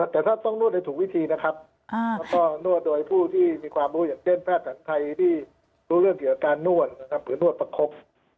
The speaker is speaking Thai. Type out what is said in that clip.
แต่ถ้าต้องนวดให้ถูกวิธีนะครับแล้วก็นวดโดยผู้ที่มีความรู้อย่างเช่นแพทย์หนังไทยที่รู้เรื่องเกี่ยวกับการนวดนะครับหรือนวดประคบ